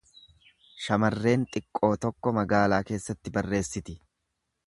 Shamarreen xiqqoo tokko magaalaa keessatti barreessiti.